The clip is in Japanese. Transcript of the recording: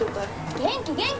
元気元気。